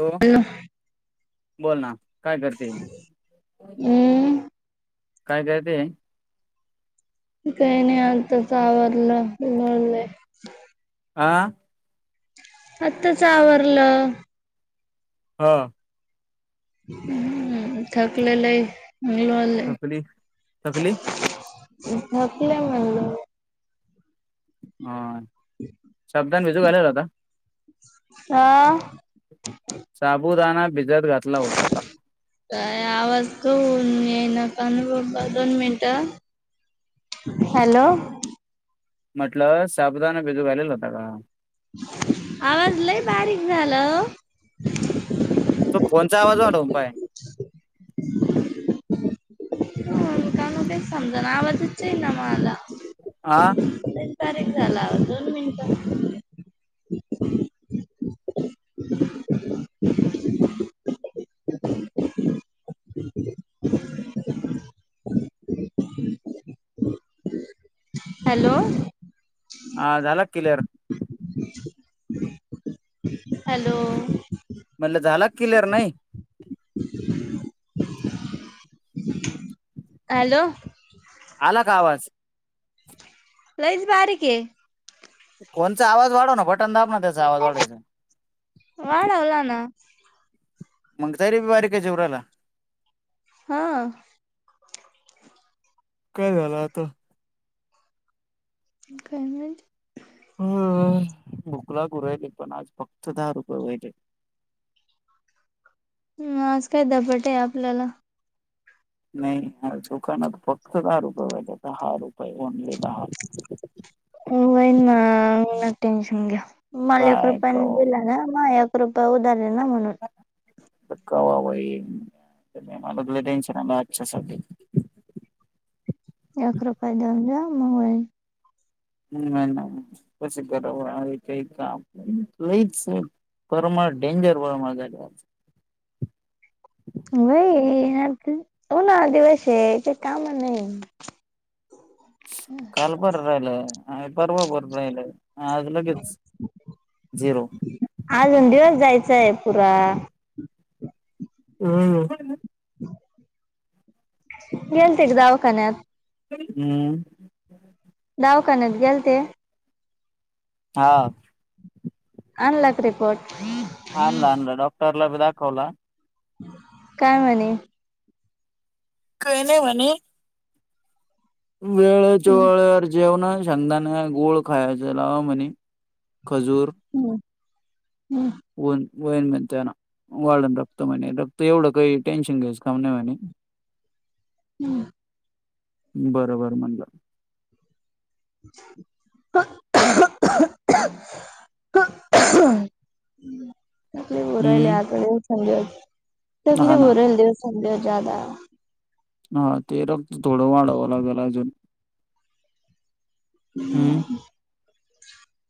हो बोल ना काय करते हम्म काय करते. काही नाही आता आवरल [inaudible] हा आत्ताच आवरलं. हो हम् थकलेय लई. [unintelligible] थकली थकली थकलेय म्हणलं. हा शब्धान बिजू घलेलाआता. हा साबुदना. काय आवाज क होन का दोन मिनट हॅलो! म्हटलं साबुदाणा बिजू घालेला होता का? आवाज लय बारीक झाला. तो फोनचा आवाज वाढव काय. का काय समज ना आवाजच ना मला. आह क झाला दोन मिनिट [unintelligible] हॅलो! हा झाला क्लिअर. हॅलो! म्हणलं झाला क्लिअर नई. [unintelligible] हॅलो! आला का आवाज. लईच बाारीक के. कोणचा आवाज वाढो ना बटन दाब ना त्याचा आवाज वाढेचे वाढवला ना मंग तारी बी बारीक आहे जेवराला हा काय झालं आता काय म्हज ह भुकला गरायले पण आज फक्त दहा रुपये वयले ह आज काय दपट आहे आपल्याला नाही दुकानात फक्त दहा रुपये वाट दहा रुपये ओनली दहाये ई ना टेन्शन घ्या मलया काय कृप दिला ना माया उ ह वा माला टेनशन अ एकख रुपय दऊ जा मगय नाही नाही प गरा काही काम लईच परमाळ डेंजर वरमाळ झा वई आ होना दिवस ते काम नाही कालपड राहिल अ परर्वाप राहिल झिरो आजून दिवस जायच सयपुरा हम्म गलते एक जावकाानत हम्म दावकानात गेल ते हा अनलक रिपोर्ट आणला आणलं डॉक्टरला बी दाखवला काय म्हणे काय नाही म्हणे वेळेच्या वेळेवर जेवणं, शेंगदाणे गुळ खायच लावा म्हणे. खजूर, उन वयण म्हणे ते. वाढण रक्त म्हणे, रक्त एवढं काही टेन्शन घ्यायचं काम नाही म्हणे. [inaudible] बरोबर म्हणलं. [unintelligible] तकलीफ होऊ राहिली हम्म आता दिवसां दिवस. हा तकलीफ ना होऊ राहिली दिवसां दिवस जादा. हा ते रक्त थोडं वाढावं लागेला अजून. हं?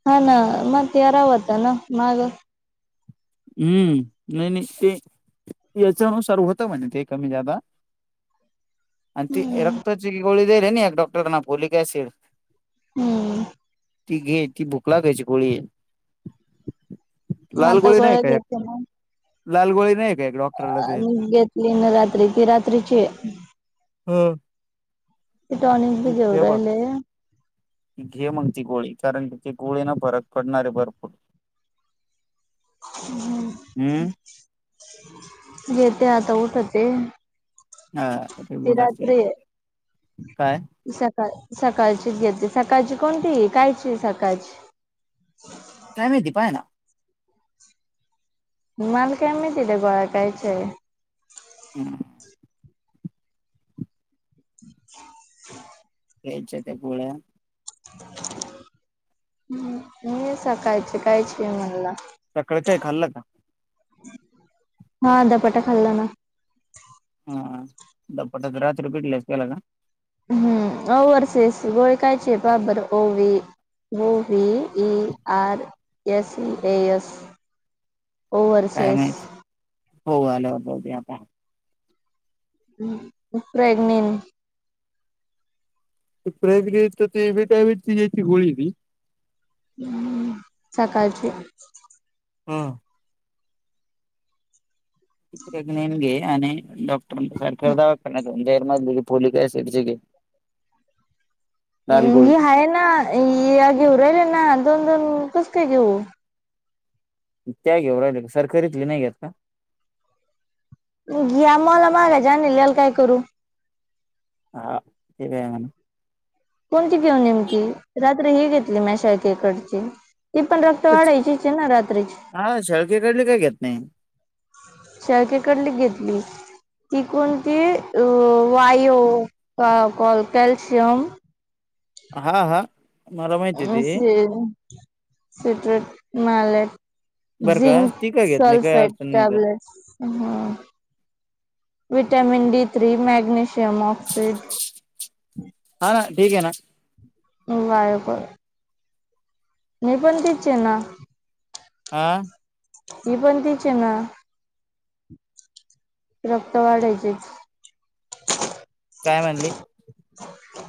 हा ना मा तेरा व्हता ना, माग. हं. नाही नाही ते यचाणुसारू होतं म्हणे ते कमी जादा. आणि ते रक्तची गोळी देयेल ये ना एक डॉक्टरनी फॉलिक एसिड. हं. ती घे. ती भुक लागायची गोळी ये. लाल आता गोळी नाही गोळ्या का एक घेते ना. लाल गोळी नाही क घेतली ना रात्री. ती रात्रीची ये. हा. टॉनिक बी घेऊ राहिले. घे मग ती गोळी. कारण की ते गोळीनी फरक पडणारे भरपूर. हम्म [unintelligible] घेते आता. उठते हा ति रेग्युलर रात्री ये. काय हि स सळ सकाळचीच घेते सकाळची कोणती ही? कायची सकाळची? कायमाहिती? पाय ना. मला काय मायती त्या गोळ्या कायच्या ये? [unintelligible] [inaudible] घ्यायच्या त्या गोळ्या, हं, हि सकाळची कायची ये म्हणल? सकाळी काही खाल्लं का? हा, धपाटा खाल्ला ना. हा, धपाटा का रात्रीच्या पिठल्याचा केला का? हं. ओवर्हसीस गोळी कायची पहा बर. ओ V O V E R S E S. काय ओव्हर्सेस, माहित हो, आल्यावर पाहू ते आता. हं, प्रेगनेन ती प्रेग्नेन चे ती व्हिट्यामिनची ह्याची गोळी आहे ती. हं, सकाळची हं. प्रेगणेन घे आणि डॉक्टरांना सरकारी दवाखान्यात तून देयल फॉलीक ऍसिड ची घे. अं, लाल ही गोळी आहे ना. हि घेऊ राहिले ना. दोन दोन कस काय घेऊ? त्या घेऊ राहिली का? सरकारीतली नाही घेत ना? ह्या मोलामहागच्या आणलेल्या याला काय करू? [unintelligible] कोणती घेऊ नेमकी रात्र हि घेतली मा शाळकेकडची ती पण रक्त वाढायचीच ना रात्रीची हा शेळकेकडली काय घेत नाही शाळकेकडली घेतली ती कोणती अ वायू क कोल कॅल्शियम हा हा मला माहिती ते [unintelligible] बरं का झिंक ती काय घेत नाही काही सलफेट अडचण नाही त्याला टॅब्लेटस हं vitamin D three magnesium oxide हा ना ठीक हे ना बायबर मी पण तीच हे ना. हं हि पण तीच हे ना? रक्त वाढायचीच काय म्हणली?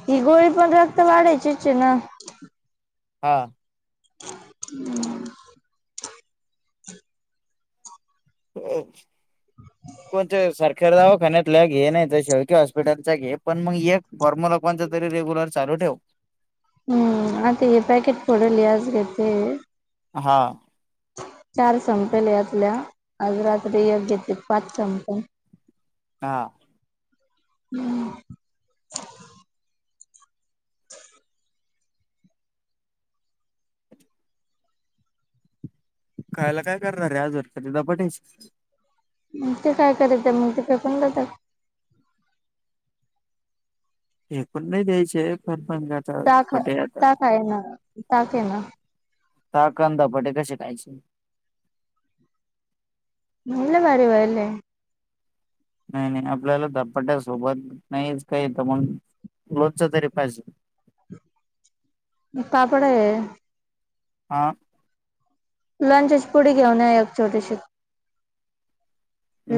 ही गोळी पण रक्त वाढायचीच हे ना हा [unintelligible] खर दवाखान्यातल्या घे नाही तर शेळककी हॉस्पिटल घे पण मग एक फॉर्म ल कोंचा तरी रेग्युलर चालू ठेव. [unintelligible] हम्म आता हे पॅकेट पडली याज घेत हा चार स ल्यातल्या आज रात्री एक घेते पाच चमचा हा हम [unintelligible] खायला काय करणारे आज झडपटीत धपाटे च मग ते काय करायचं मग ते फेकून द्यायचं फेकून नाही द्यायचे पण पण आता ताक- धपाटे आता ताक आहे ना ताकये ना ताक आण धपाटे कसे खायचे [unintelligible] नाही नाही आपल्याला धपट्या सोबत नाहीच काही तर मग लोणचं तरी पाहिजे पापड हाय हा लोणच्याची पुडी घेवून या एक छोटीशी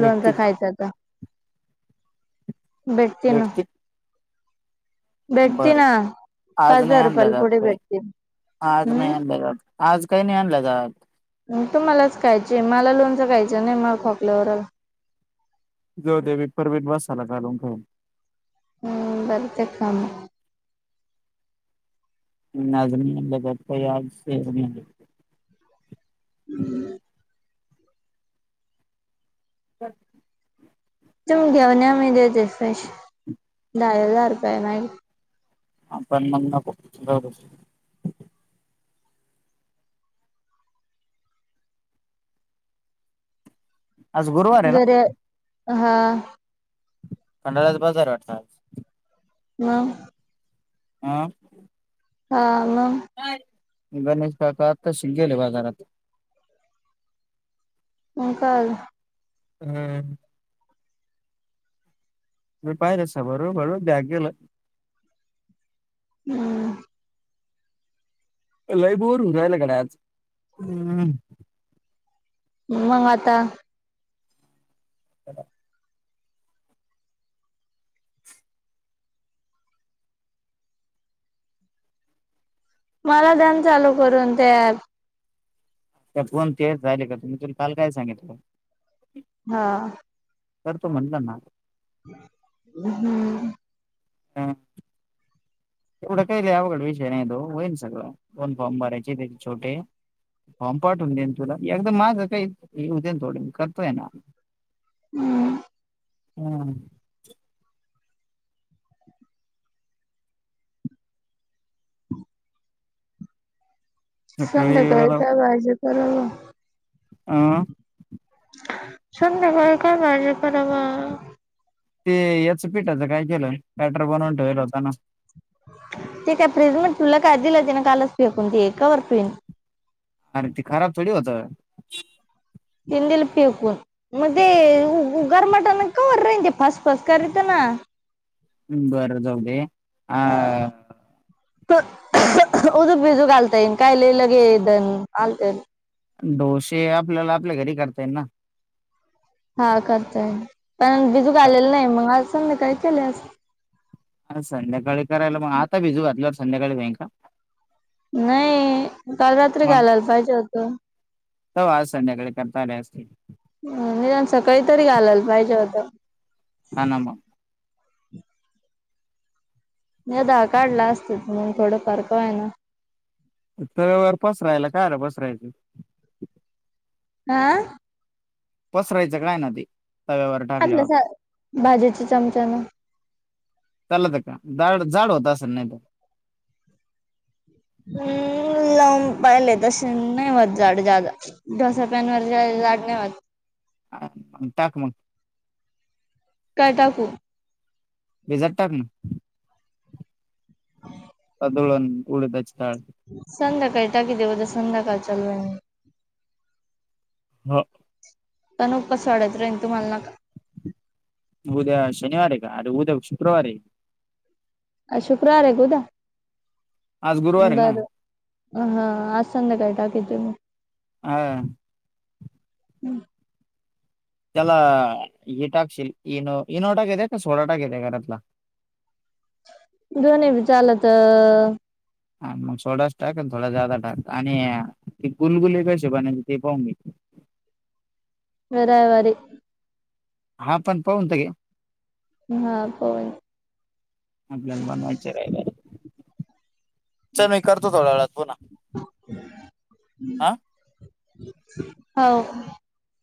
लोणचं का खायचं आता भेटतीन भेटती बरं आज पाच नाही हजार आणलं रुपयाला ज आप पुढे काही भेटतील आज नाही हम्म आणले आज काही नाही आणलं जा तू मलाच खायचीय मला लोणचं खायच नाही मला खोकल्यावर जो देवी परवीत वासाला घालून ठे हम् बरत का आम [unintelligible] हम्म ब तुम्ही घेऊन या मी देते फ्रेश दहा हजार रुपये नाहीहि आपण मग नको नको आज गुरुवार आहे ना घरी हा खंडाळा्याचा बाजार हाय वाटतं आज मग हम हा मग गणेश काका आताच गेले बाजारात [unintelligible] हम् म पाहि रसा बरं बर बॅग गेलं हम् लय बोर होवून राहिलं गड्या आज रालाकडे आज हम् मग आता ह मला द्यान चालू करून ते ऍप त्या फण ते झाले का तुम्ी तुला काल काय सांगित हा कर तू म्हणलं ना हम्म हा एवढं काही ल अवघड विषय नाही तो होईन सगळं दोन फॉर्म भरायचेत एक छोटे फॉर्म पाठवून देईन तुला एकदा माझं काही येऊ दे ना थोडे मी करतोय ना हम् हम्म सकाळी संध्याकाळी काय भाजी करणार आ संध्याकाळी काय भाजी कराव ते याचं पीठ आता काय केलंय बॅटर बनवून ठेवल होता ना ते काय प्रेग्नंट तुला काय दिल कालच फिकून ते एकावर पिन अरे ती खराब थोडी होत हमू मी दिलं पकून मग ते उगर मट ना कावरर रहिज फस फस करत ना हा हम बर जाऊदे आ उडिद भिजवून घालता येईन काय लगे न डोसे आपल्याला आपल्या घरी करताय ना हा करतय पण भिजून मग आलेलं नाही मग अआज संध्याकाळी केले असत संध्याकाळी करायला मग आता भिजू घातल्यावर संध्याकाळी काय का नाही काल रात्री मग घालायला पाहिजे होत तवा आज संध्याकाळी करता असते सकाळी तरी घालायला पाहिजे होत हा ना मग नाही काढला असत म्हूनन थोडं फार आहे ना तर पसरायला काय र पसरायचं आह पसरायचं काय ना ते तव्यावर टाकल्यावर आपल्या भाजीच्या चमच्याने चला तर का जाड होता असं नाही तर हम् पाहिले तसे नाही होत जाड ढोसा पॅन वर जाड नाही होत अ टाक मग काय टाकू भिजत टाक ना ह दुळून आणुन उडदाची डाळ संध्याकाळी टाकी ते उद्या संध्याकाळच्यायल हा कसं वाढत राहीन तुम्हाला ना उद्या शनिवार आहे का अरे उद्या शुक्रवार आहे काय शुक्रवार आहे का उद्या आज गुरुवार आहे ना बर हा आज संध्याकाळी टाकीन मी तुला हा हम्म त्याला हे टाकशिल इनो नाही टाकायचा सोडा टाकायचा घरातला [unintelligible] दोन चालत हा मग सोडाचं टाक आणि थोडा जादा टाक आणि इक्वल होईल त्या हिशेबाने ते पाहून घे [unintelligible] मी रविवारी हा पण पाहून ते हा पवन आपल्याला बनवायचं राहिलं चल मी करतो थोड्या वेळात. पुन्हा हा हो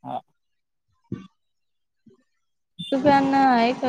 हा [unintelligible] तुपी आता एक